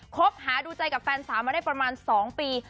คบหาดูใจกับแฟนสาวมาได้ประมาณ๒ปี